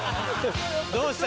どうした。